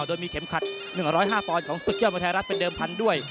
โดนมีเข็มขัด๑๐๕ปอนด์ของสุขเยี่ยมประธานรัฐเป็นเดิมพันธุ์ด้วย